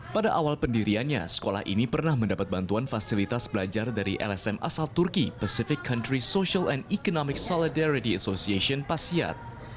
pada awal pendiriannya sekolah ini pernah mendapat bantuan fasilitas belajar dari lsm asal turki pacific country social and economic solidarity association pasiat